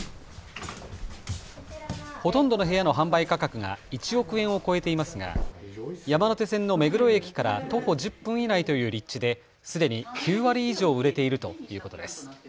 ほとんどの部屋の販売価格が１億円を超えていますが山手線の目黒駅から徒歩１０分以内という立地ですでに９割以上売れているということです。